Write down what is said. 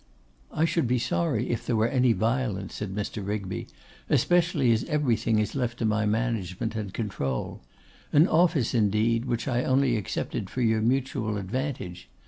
'I should be sorry if there were any violence,' said Mr. Rigby, 'especially as everything is left to my management and control. An office, indeed, which I only accepted for your mutual advantage.